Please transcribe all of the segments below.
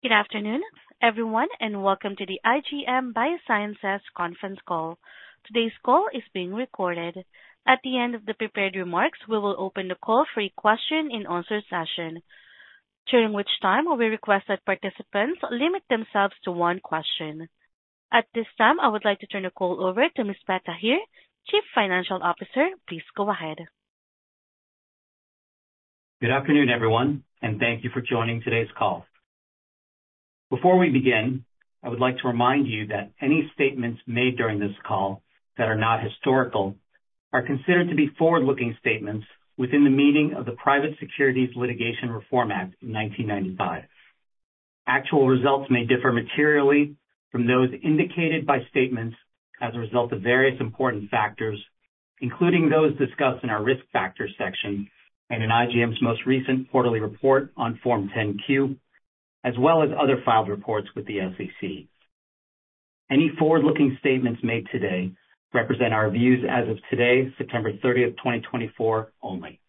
Good afternoon, everyone, and welcome to the IGM Biosciences conference call. Today's call is being recorded. At the end of the prepared remarks, we will open the call for a question-and-answer session, during which time we request that participants limit themselves to one question. At this time, I would like to turn the call over to Misbah Tahir, Chief Financial Officer. Please go ahead. Good afternoon, everyone, and thank you for joining today's call. Before we begin, I would like to remind you that any statements made during this call that are not historical are considered to be forward-looking statements within the meaning of the Private Securities Litigation Reform Act of 1995. Actual results may differ materially from those indicated by statements as a result of various important factors, including those discussed in our Risk Factors section and in IGM's most recent quarterly report on Form 10-Q, as well as other filed reports with the SEC. Any forward-looking statements made today represent our views as of today, September 30, 2024, only.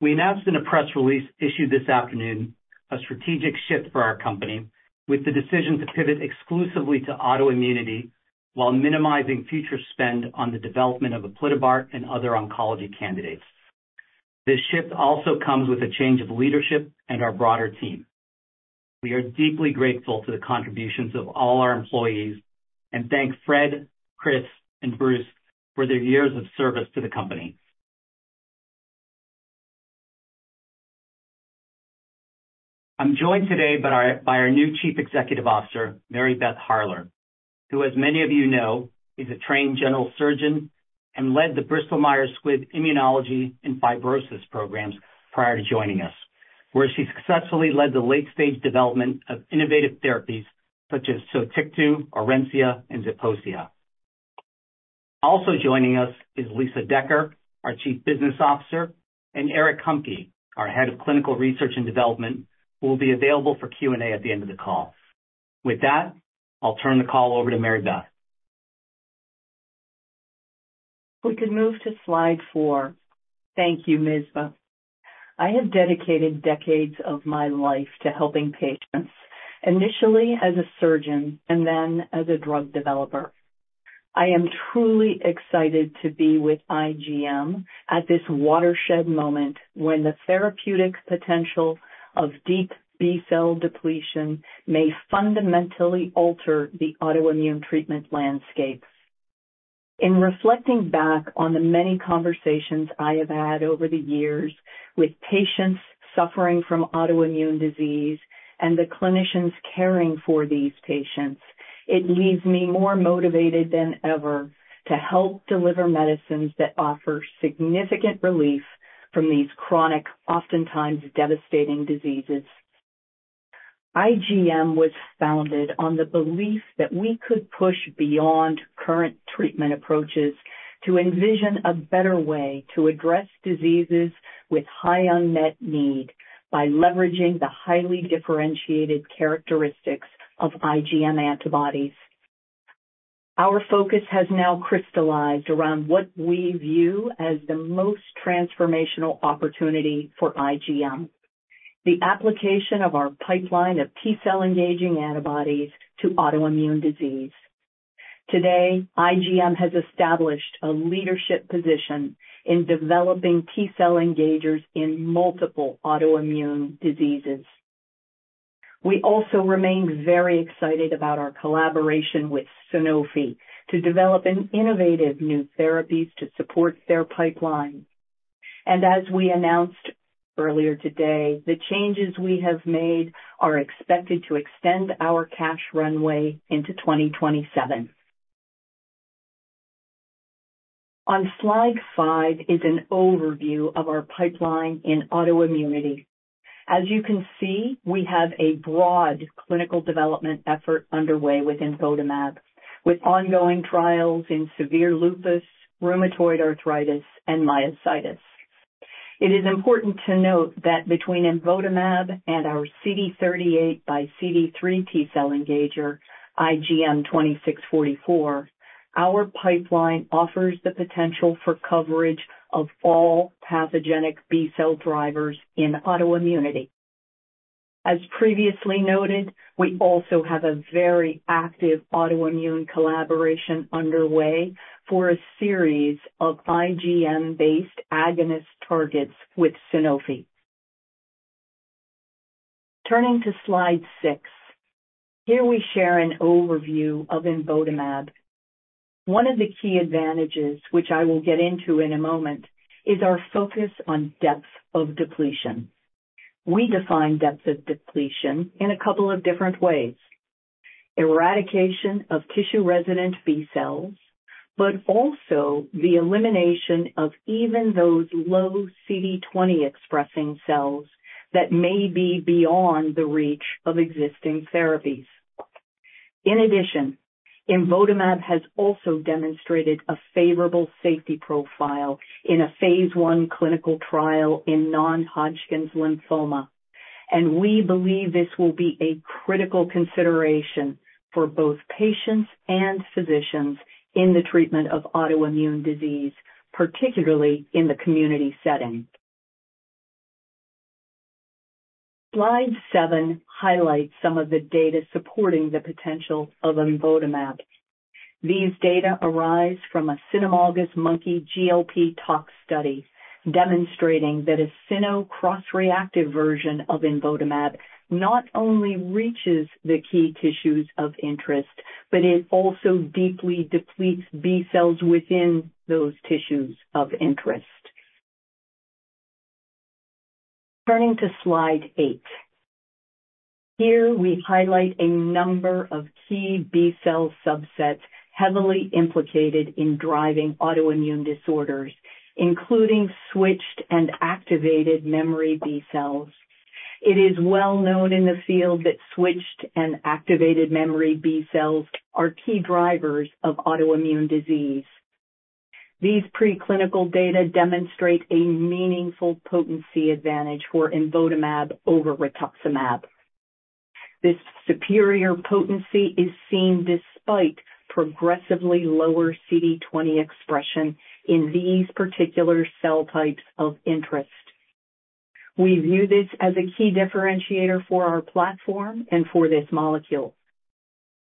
We announced in a press release issued this afternoon a strategic shift for our company, with the decision to pivot exclusively to autoimmunity while minimizing future spend on the development of aplitabart and other oncology candidates. This shift also comes with a change of leadership and our broader team. We are deeply grateful to the contributions of all our employees and thank Fred, Chris, and Bruce for their years of service to the company. I'm joined today by our new Chief Executive Officer, Mary Beth Harler, who, as many of you know, is a trained general surgeon and led the Bristol Myers Squibb Immunology and Fibrosis programs prior to joining us, where she successfully led the late-stage development of innovative therapies such as Sotyktu, Orencia, and Zeposia. Also joining us is Lisa Decker, our Chief Business Officer, and Eric Humke, our Head of Clinical Research and Development, who will be available for Q&A at the end of the call. With that, I'll turn the call over to Mary Beth. We can move to slide four. Thank you, Misbah. I have dedicated decades of my life to helping patients, initially as a surgeon and then as a drug developer. I am truly excited to be with IGM at this watershed moment, when the therapeutic potential of deep B-cell depletion may fundamentally alter the autoimmune treatment landscape. In reflecting back on the many conversations I have had over the years with patients suffering from autoimmune disease and the clinicians caring for these patients, it leaves me more motivated than ever to help deliver medicines that offer significant relief from these chronic, oftentimes devastating diseases. IGM was founded on the belief that we could push beyond current treatment approaches to envision a better way to address diseases with high unmet need by leveraging the highly differentiated characteristics of IGM antibodies. Our focus has now crystallized around what we view as the most transformational opportunity for IGM, the application of our pipeline of T-cell-engaging antibodies to autoimmune disease. Today, IGM has established a leadership position in developing T-cell engagers in multiple autoimmune diseases. We also remain very excited about our collaboration with Sanofi to develop innovative new therapies to support their pipeline. And as we announced earlier today, the changes we have made are expected to extend our cash runway into 2027. On slide five is an overview of our pipeline in autoimmunity. As you can see, we have a broad clinical development effort underway with imvotamab, with ongoing trials in severe lupus, rheumatoid arthritis, and myositis. It is important to note that between imvotamab and our CD38 x CD3 T-cell engager, IGM-2644, our pipeline offers the potential for coverage of all pathogenic B cell drivers in autoimmunity. As previously noted, we also have a very active autoimmune collaboration underway for a series of IGM-based agonist targets with Sanofi. Turning to slide six. Here we share an overview of imvotamab. One of the key advantages, which I will get into in a moment, is our focus on depth of depletion. We define depth of depletion in a couple of different ways: eradication of tissue-resident B cells, but also the elimination of even those low CD20-expressing cells that may be beyond the reach of existing therapies. In addition, imvotamab has also demonstrated a favorable safety profile in a phase 1 clinical trial in non-Hodgkin's lymphoma, and we believe this will be a critical consideration for both patients and physicians in the treatment of autoimmune disease, particularly in the community setting. Slide seven highlights some of the data supporting the potential of imvotamab. These data arise from a cynomolgus monkey GLP tox study, demonstrating that a cyno cross-reactive version of imvotamab not only reaches the key tissues of interest, but it also deeply depletes B cells within those tissues of interest. Turning to Slide eight. Here, we highlight a number of key B cell subsets heavily implicated in driving autoimmune disorders, including switched and activated memory B cells. It is well known in the field that switched and activated memory B cells are key drivers of autoimmune disease. These preclinical data demonstrate a meaningful potency advantage for imvotamab over rituximab. This superior potency is seen despite progressively lower CD20 expression in these particular cell types of interest. We view this as a key differentiator for our platform and for this molecule.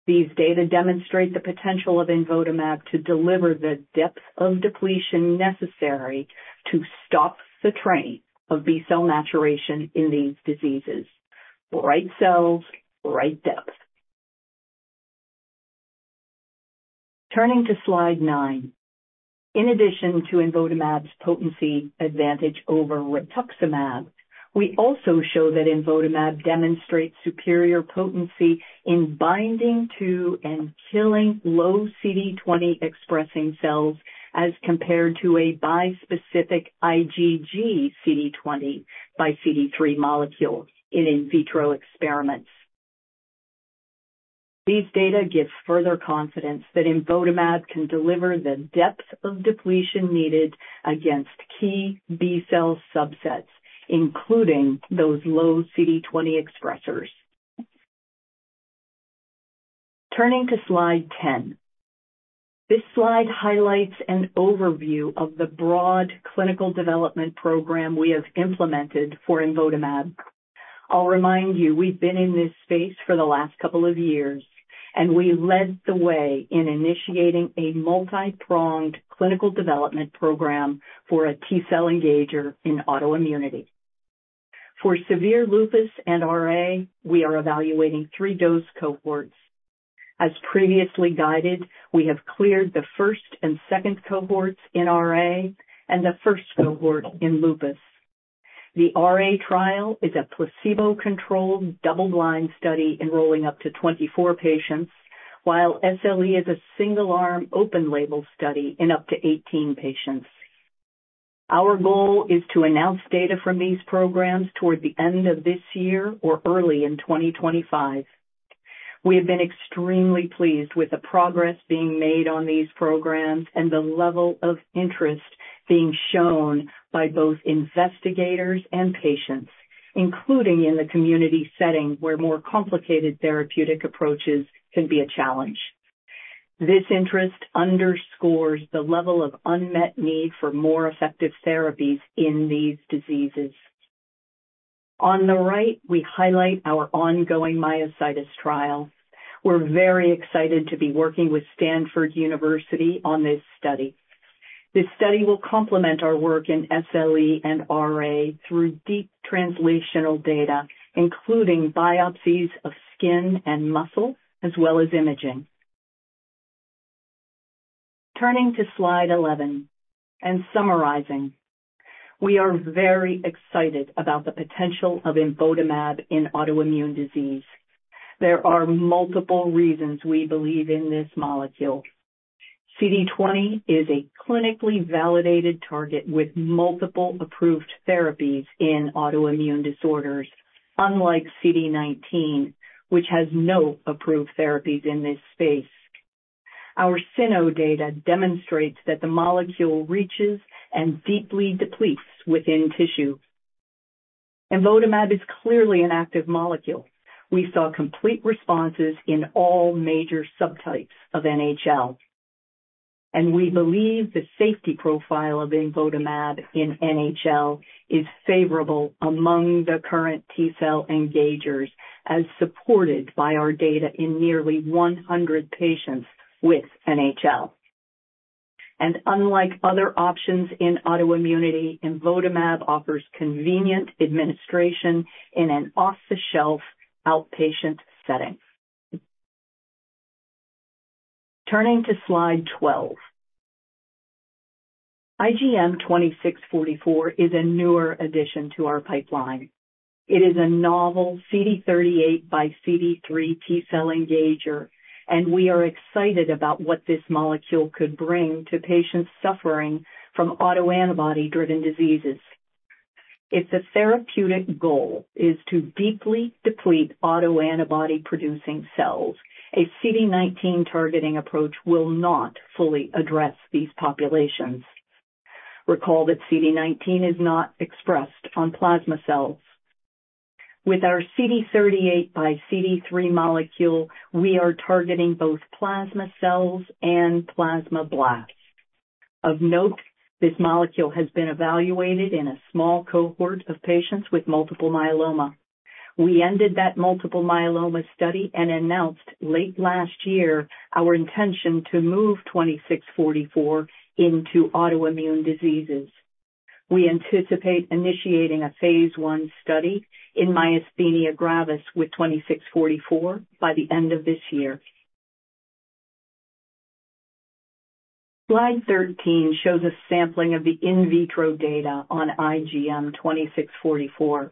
These data demonstrate the potential of imvotamab to deliver the depth of depletion necessary to stop the train of B-cell maturation in these diseases. Right cells, right depth. Turning to slide nine. In addition to imvotamab's potency advantage over rituximab, we also show that imvotamab demonstrates superior potency in binding to and killing low CD20-expressing cells as compared to a bispecific IgG CD20 by CD3 molecule in vitro experiments. These data give further confidence that imvotamab can deliver the depth of depletion needed against key B-cell subsets, including those low CD20 expressers. Turning to slide ten. This slide highlights an overview of the broad clinical development program we have implemented for imvotamab. I'll remind you, we've been in this space for the last couple of years, and we led the way in initiating a multi-pronged clinical development program for a T-cell engager in autoimmunity. For severe lupus and RA, we are evaluating three dose cohorts. As previously guided, we have cleared the first and second cohorts in RA and the first cohort in lupus. The RA trial is a placebo-controlled, double-blind study enrolling up to 24 patients, while SLE is a single-arm, open label study in up to 18 patients. Our goal is to announce data from these programs toward the end of this year or early in 2025. We have been extremely pleased with the progress being made on these programs and the level of interest being shown by both investigators and patients, including in the community setting, where more complicated therapeutic approaches can be a challenge. This interest underscores the level of unmet need for more effective therapies in these diseases. On the right, we highlight our ongoing myositis trial. We're very excited to be working with Stanford University on this study. This study will complement our work in SLE and RA through deep translational data, including biopsies of skin and muscle, as well as imaging. Turning to Slide 11 and summarizing. We are very excited about the potential of imvotamab in autoimmune disease. There are multiple reasons we believe in this molecule. CD20 is a clinically validated target with multiple approved therapies in autoimmune disorders, unlike CD19, which has no approved therapies in this space. Our cyno data demonstrates that the molecule reaches and deeply depletes within tissue. Imvotamab is clearly an active molecule. We saw complete responses in all major subtypes of NHL, and we believe the safety profile of imvotamab in NHL is favorable among the current T-cell engagers, as supported by our data in nearly 100 patients with NHL. Unlike other options in autoimmunity, imvotamab offers convenient administration in an off-the-shelf outpatient setting. Turning to slide 12. IGM-2644 is a newer addition to our pipeline. It is a novel CD38 x CD3 T-cell engager, and we are excited about what this molecule could bring to patients suffering from autoantibody-driven diseases. If the therapeutic goal is to deeply deplete autoantibody-producing cells, a CD19 targeting approach will not fully address these populations. Recall that CD19 is not expressed on plasma cells. With our CD38 x CD3 molecule, we are targeting both plasma cells and plasmablasts. Of note, this molecule has been evaluated in a small cohort of patients with multiple myeloma. We ended that multiple myeloma study and announced late last year our intention to move IGM-2644 into autoimmune diseases. We anticipate initiating a phase 1 study in myasthenia gravis with IGM-2644 by the end of this year. Slide 13 shows a sampling of the in vitro data on IGM-2644.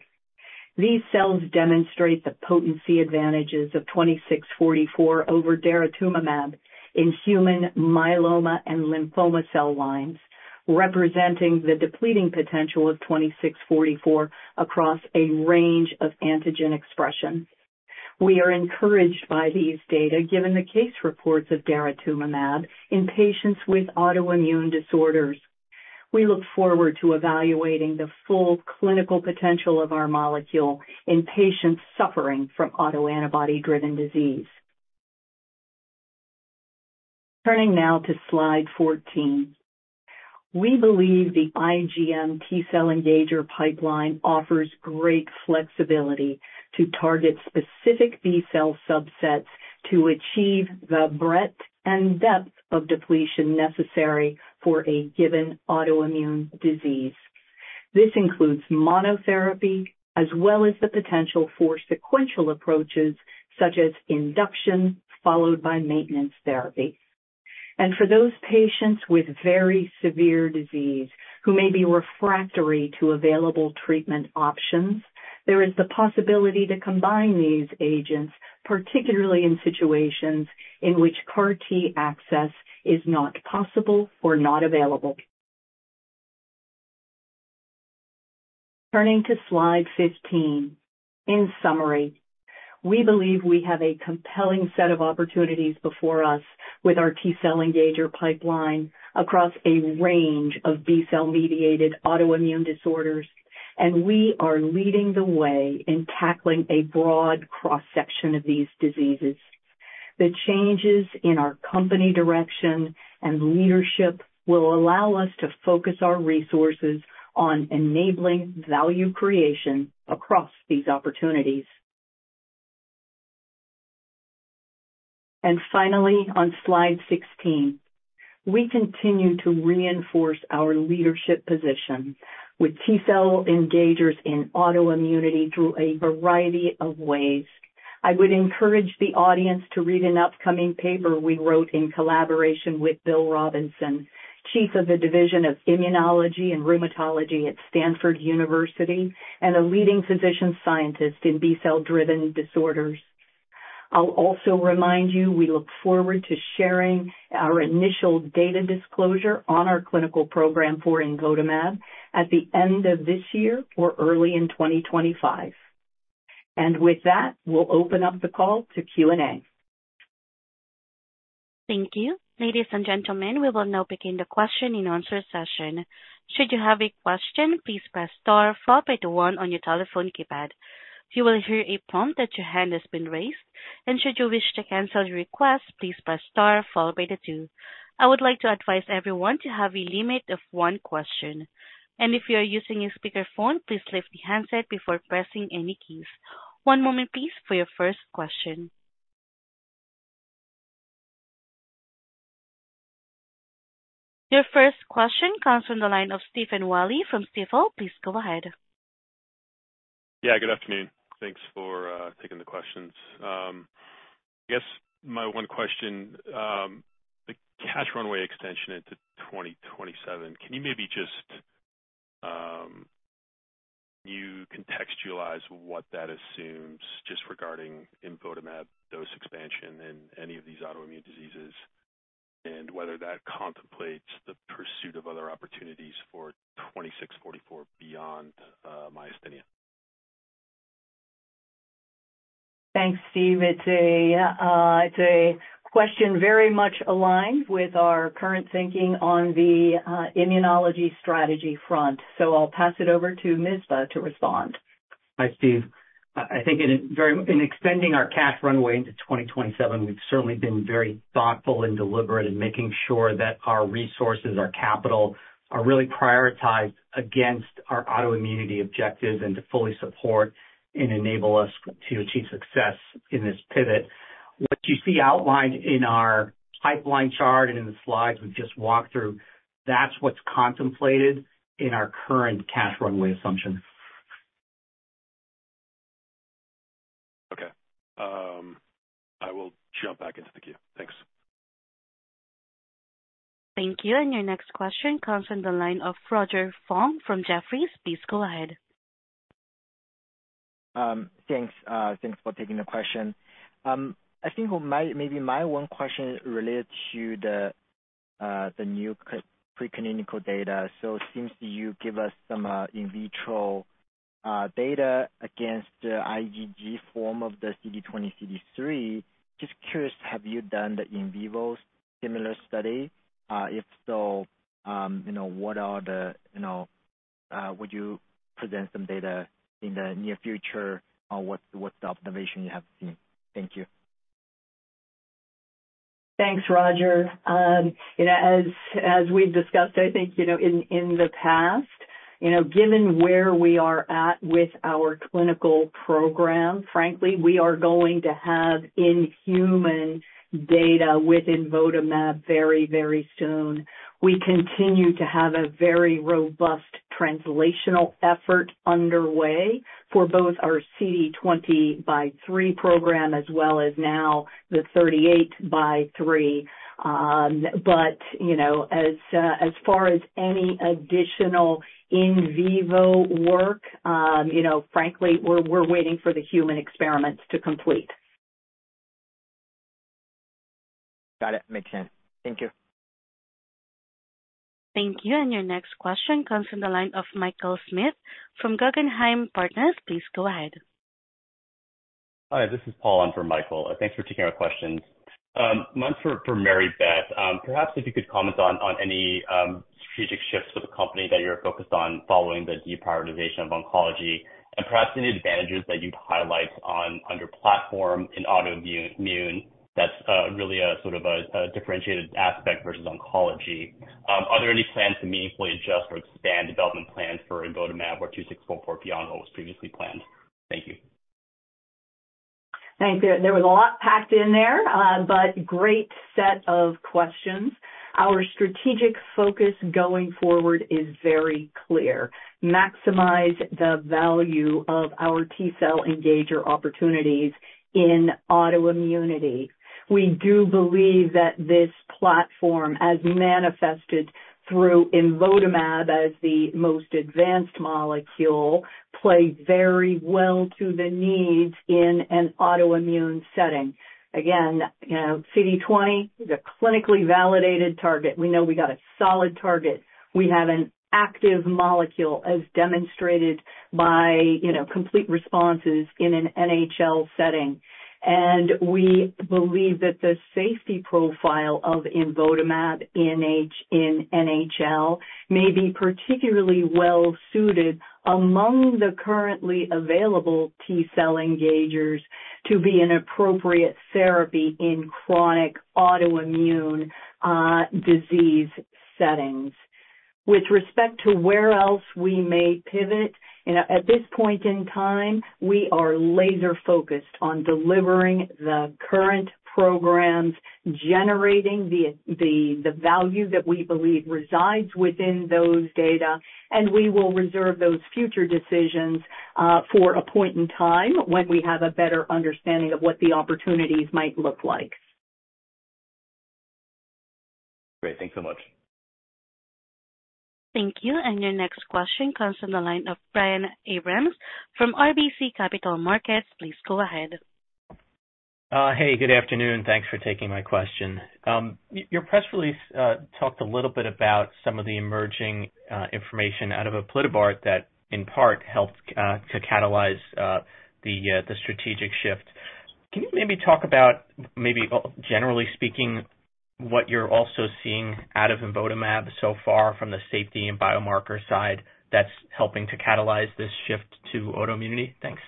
These cells demonstrate the potency advantages of IGM-2644 over daratumumab in human myeloma and lymphoma cell lines, representing the depleting potential of IGM-2644 across a range of antigen expression. We are encouraged by these data, given the case reports of daratumumab in patients with autoimmune disorders. We look forward to evaluating the full clinical potential of our molecule in patients suffering from autoantibody-driven disease. Turning now to slide 14. We believe the IGM T cell engager pipeline offers great flexibility to target specific B cell subsets to achieve the breadth and depth of depletion necessary for a given autoimmune disease. This includes monotherapy as well as the potential for sequential approaches such as induction followed by maintenance therapy. And for those patients with very severe disease who may be refractory to available treatment options, there is the possibility to combine these agents, particularly in situations in which CAR-T access is not possible or not available. Turning to slide fifteen. In summary, we believe we have a compelling set of opportunities before us with our T-cell engager pipeline across a range of B-cell mediated autoimmune disorders, and we are leading the way in tackling a broad cross-section of these diseases. The changes in our company direction and leadership will allow us to focus our resources on enabling value creation across these opportunities. And finally, on slide sixteen, we continue to reinforce our leadership position with T-cell engagers in autoimmunity through a variety of ways. I would encourage the audience to read an upcoming paper we wrote in collaboration with Bill Robinson, Chief of the Division of Immunology and Rheumatology at Stanford University and a leading physician scientist in B cell driven disorders. I'll also remind you, we look forward to sharing our initial data disclosure on our clinical program for imvotamab at the end of this year or early in twenty twenty-five. And with that, we'll open up the call to Q&A. Thank you. Ladies and gentlemen, we will now begin the question-and-answer session. Should you have a question, please press star followed by the one on your telephone keypad. You will hear a prompt that your hand has been raised, and should you wish to cancel your request, please press star followed by the two. I would like to advise everyone to have a limit of one question, and if you are using a speakerphone, please lift the handset before pressing any keys. One moment, please, for your first question. Your first question comes from the line of Stephen Willey from Stifel. Please go ahead. Yeah, good afternoon. Thanks for taking the questions. I guess my one question, the cash runway extension into 2027, can you maybe just you contextualize what that assumes just regarding imvotamab dose expansion in any of these autoimmune diseases, and whether that contemplates the pursuit of other opportunities for IGM-2644 beyond myasthenia? Thanks, Stephen. It's a question very much aligned with our current thinking on the immunology strategy front, so I'll pass it over to Misbah to respond. Hi, Stephen. I think in extending our cash runway into 2027, we've certainly been very thoughtful and deliberate in making sure that our resources, our capital, are really prioritized against our autoimmunity objectives and to fully support and enable us to achieve success in this pivot. What you see outlined in our pipeline chart and in the slides we've just walked through, that's what's contemplated in our current cash runway assumption. Okay. I will jump back into the queue. Thanks. Thank you. And your next question comes from the line of Roger Song from Jefferies. Please go ahead. Thanks. Thanks for taking the question. I think maybe my one question relates to the new preclinical data. So since you give us some in vitro-... data against the IgG form of the CD20/CD3. Just curious, have you done the in vivo similar study? If so, you know, what are the, you know, would you present some data in the near future on what's the observation you have seen? Thank you. Thanks, Roger. You know, as we've discussed, I think, you know, in the past, you know, given where we are at with our clinical program, frankly, we are going to have in-human data with imvotamab very, very soon. We continue to have a very robust translational effort underway for both our CD20 x CD3 program as well as now the CD38 x CD3. But, you know, as far as any additional in vivo work, you know, frankly, we're waiting for the human experiments to complete. Got it! Makes sense. Thank you. Thank you. And your next question comes from the line of Michael Schmidt from Guggenheim Partners. Please go ahead. Hi, this is Paul on for Michael. Thanks for taking our questions. One for Mary Beth. Perhaps if you could comment on any strategic shifts for the company that you're focused on following the deprioritization of oncology, and perhaps any advantages that you'd highlight on your platform in autoimmune that's really a sort of a differentiated aspect versus oncology. Are there any plans to meaningfully adjust or expand development plans for imvotamab or 2644 beyond what was previously planned? Thank you. Thanks. There was a lot packed in there, but great set of questions. Our strategic focus going forward is very clear: maximize the value of our T-cell engager opportunities in autoimmunity. We do believe that this platform, as manifested through imvotamab as the most advanced molecule, plays very well to the needs in an autoimmune setting. Again, you know, CD20 is a clinically validated target. We know we got a solid target. We have an active molecule, as demonstrated by, you know, complete responses in an NHL setting. And we believe that the safety profile of imvotamab in NHL may be particularly well suited among the currently available T-cell engagers to be an appropriate therapy in chronic autoimmune disease settings. With respect to where else we may pivot, you know, at this point in time, we are laser-focused on delivering the current programs, generating the value that we believe resides within those data, and we will reserve those future decisions for a point in time when we have a better understanding of what the opportunities might look like. Great. Thanks so much. Thank you. And your next question comes from the line of Brian Abrahams from RBC Capital Markets. Please go ahead. Hey, good afternoon. Thanks for taking my question. Your press release talked a little bit about some of the emerging information out of aplitabart that, in part, helped to catalyze the strategic shift. Can you maybe talk about, maybe, generally speaking, what you're also seeing out of imvotamab so far from the safety and biomarker side that's helping to catalyze this shift to autoimmunity? Thanks.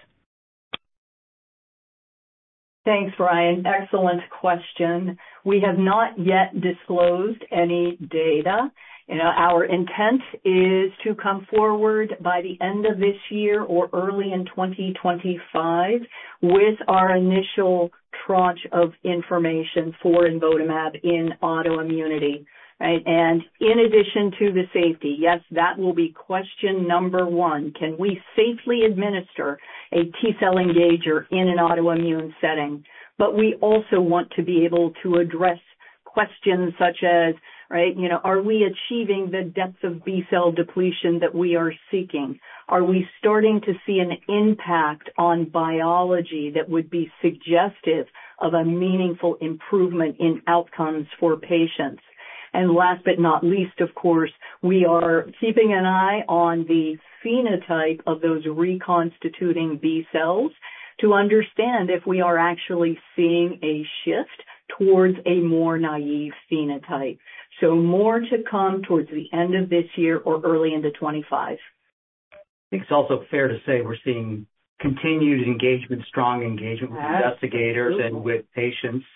Thanks, Brian. Excellent question. We have not yet disclosed any data. You know, our intent is to come forward by the end of this year or early in twenty twenty-five with our initial tranche of information for imvotamab in autoimmunity, right? And in addition to the safety, yes, that will be question number one: Can we safely administer a T-cell engager in an autoimmune setting? But we also want to be able to address questions such as, right, you know, are we achieving the depth of B-cell depletion that we are seeking? Are we starting to see an impact on biology that would be suggestive of a meaningful improvement in outcomes for patients? And last but not least, of course, we are keeping an eye on the phenotype of those reconstituting B-cells to understand if we are actually seeing a shift towards a more naive phenotype. So more to come towards the end of this year or early into 2025. I think it's also fair to say we're seeing continued engagement, strong engagement with investigators- Absolutely. - and with patients,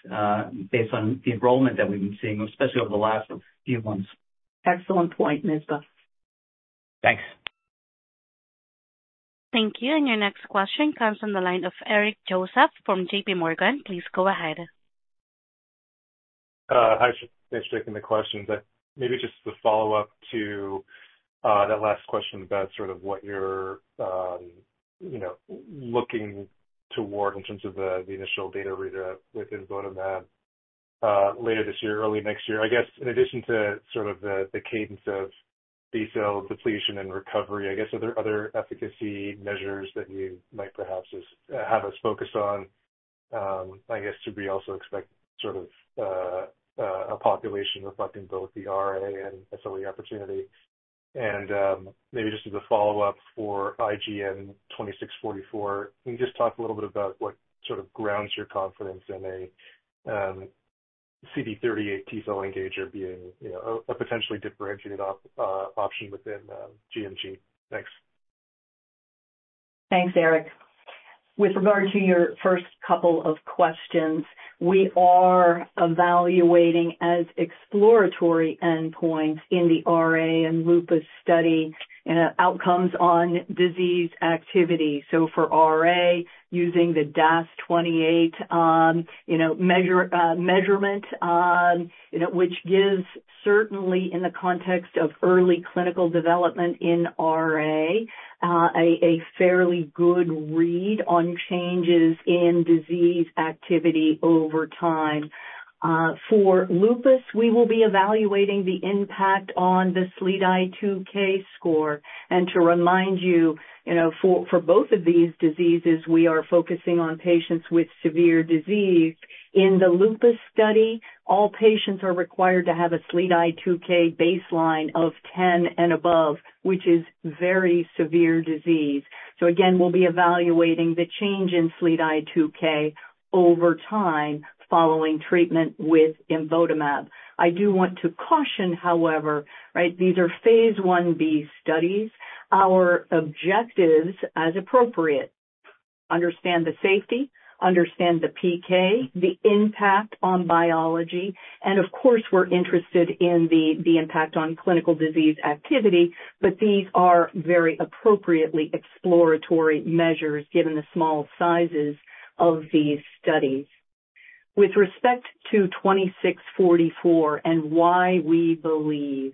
based on the enrollment that we've been seeing, especially over the last few months. Excellent point, Misbah. Thanks. Thank you, and your next question comes from the line of Eric Joseph from JPMorgan. Please go ahead. Hi, thanks for taking the question. But maybe just to follow up to that last question about sort of what you're you know looking toward in terms of the initial data readout with imvotamab later this year, early next year. I guess, in addition to sort of the cadence of B cell depletion and recovery, I guess, are there other efficacy measures that you might perhaps just have us focus on? I guess, should we also expect sort of a population reflecting both the RA and SLE opportunity? And maybe just as a follow-up for IGM-2644, can you just talk a little bit about what sort of grounds your confidence in a CD38 T cell engager being you know a potentially differentiated option within IGM? Thanks. Thanks, Eric. With regard to your first couple of questions, we are evaluating as exploratory endpoints in the RA and lupus study and, outcomes on disease activity, so for RA, using the DAS28, you know, measurement, you know, which gives certainly in the context of early clinical development in RA, a fairly good read on changes in disease activity over time. For lupus, we will be evaluating the impact on the SLEDAI-2K score, and to remind you, you know, for both of these diseases, we are focusing on patients with severe disease. In the lupus study, all patients are required to have a SLEDAI-2K baseline of ten and above, which is very severe disease, so again, we'll be evaluating the change in SLEDAI-2K over time following treatment with imvotamab. I do want to caution, however, right, these are phase one B studies. Our objectives, as appropriate, understand the safety, understand the PK, the impact on biology, and of course, we're interested in the impact on clinical disease activity, but these are very appropriately exploratory measures given the small sizes of these studies. With respect to twenty-six forty-four and why we believe,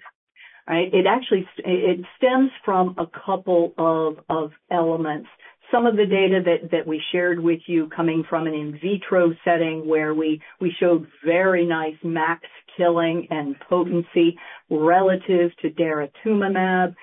right? It actually, it stems from a couple of elements. Some of the data that we shared with you coming from an in vitro setting where we showed very nice max killing and potency relative to daratumumab.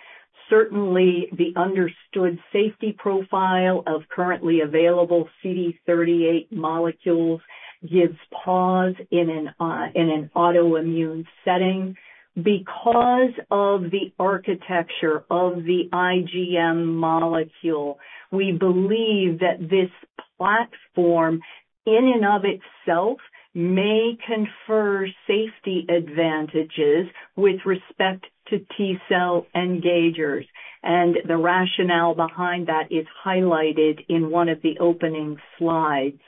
Certainly, the understood safety profile of currently available CD38 molecules gives pause in an autoimmune setting. Because of the architecture of the IGM molecule, we believe that this platform, in and of itself, may confer safety advantages with respect to T-cell engagers, and the rationale behind that is highlighted in one of the opening slides.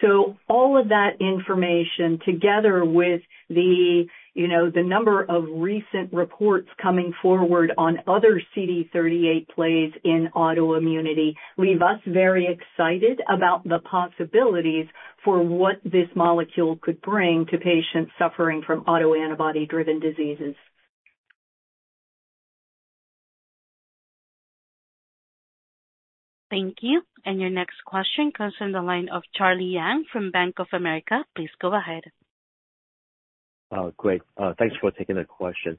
So all of that information, together with the, you know, the number of recent reports coming forward on other CD38 plays in autoimmunity, leave us very excited about the possibilities for what this molecule could bring to patients suffering from autoantibody-driven diseases. Thank you. And your next question comes from the line of Charlie Yang from Bank of America. Please go ahead. Great. Thanks for taking the question.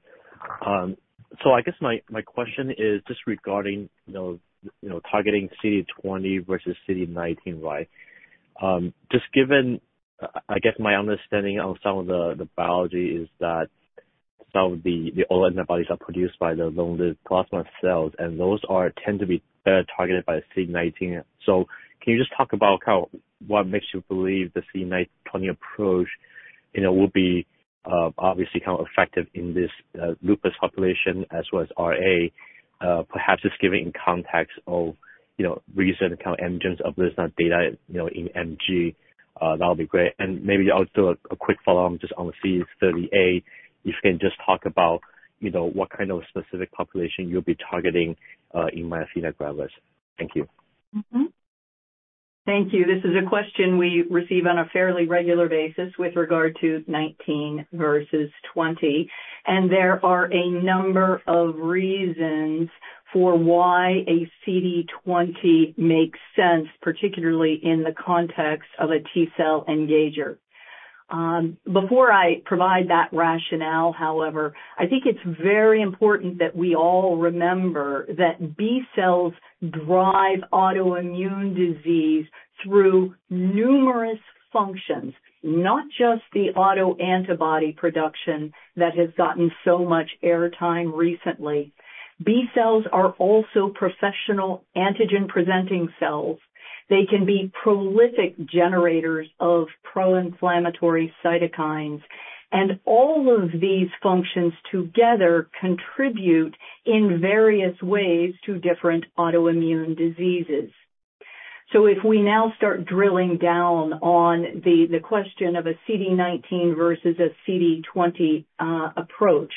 So I guess my question is just regarding, you know, targeting CD20 versus CD19, right? Just given, I guess my understanding on some of the biology is that some of the autoantibodies are produced by the long-lived plasma cells, and those are tend to be targeted by CD19. So can you just talk about kind of what makes you believe the CD19-20 approach, you know, will be, obviously, kind of effective in this lupus population as well as RA? Perhaps just giving in context of, you know, recent kind of emergence of this data, you know, in MG, that would be great. And maybe I'll do a quick follow-up just on the CD38. If you can just talk about, you know, what kind of specific population you'll be targeting in myasthenia gravis? Thank you. Mm-hmm. Thank you. This is a question we receive on a fairly regular basis with regard to nineteen versus twenty, and there are a number of reasons for why a CD20 makes sense, particularly in the context of a T-cell engager. Before I provide that rationale, however, I think it's very important that we all remember that B-cells drive autoimmune disease through numerous functions, not just the autoantibody production that has gotten so much airtime recently. B-cells are also professional antigen-presenting cells. They can be prolific generators of pro-inflammatory cytokines, and all of these functions together contribute in various ways to different autoimmune diseases. So if we now start drilling down on the question of a CD19 versus a CD20 approach,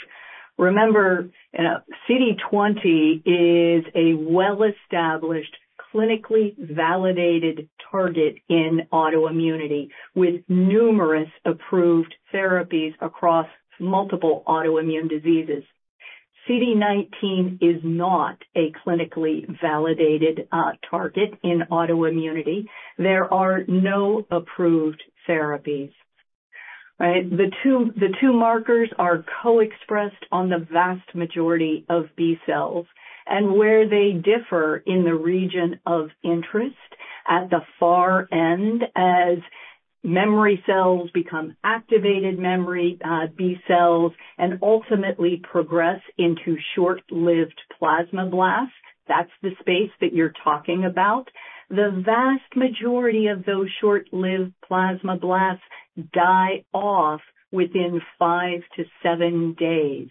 remember, you know, CD20 is a well-established, clinically validated target in autoimmunity, with numerous approved therapies across multiple autoimmune diseases. CD19 is not a clinically validated target in autoimmunity. There are no approved therapies, right? The two markers are co-expressed on the vast majority of B cells, and where they differ in the region of interest at the far end, as memory cells become activated memory B cells and ultimately progress into short-lived plasmablasts. That's the space that you're talking about. The vast majority of those short-lived plasmablasts die off within five to seven days.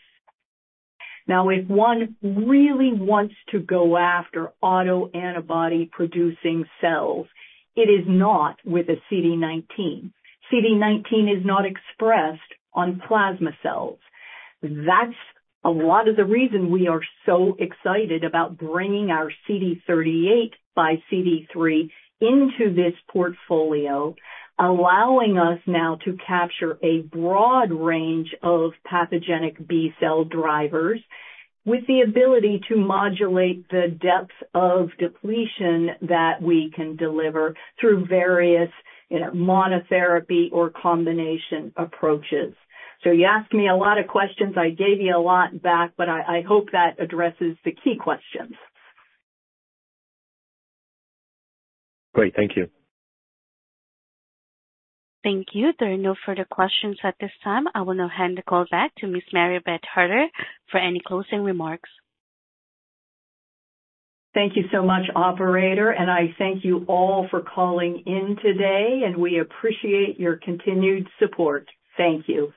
Now, if one really wants to go after autoantibody-producing cells, it is not with a CD19. CD19 is not expressed on plasma cells. That's a lot of the reason we are so excited about bringing our CD38 by CD3 into this portfolio, allowing us now to capture a broad range of pathogenic B-cell drivers, with the ability to modulate the depth of depletion that we can deliver through various, you know, monotherapy or combination approaches. So you asked me a lot of questions, I gave you a lot back, but I, I hope that addresses the key questions. Great. Thank you. Thank you. There are no further questions at this time. I will now hand the call back to Ms. Mary Beth Harler for any closing remarks. Thank you so much, operator, and I thank you all for calling in today, and we appreciate your continued support. Thank you.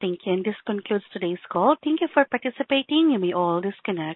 Thank you, and this concludes today's call. Thank you for participating, and we all disconnect.